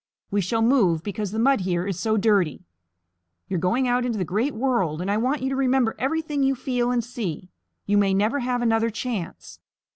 We shall move because the mud here is so dirty. You are going out into the great world, and I want you to remember everything you feel and see. You may never have another chance."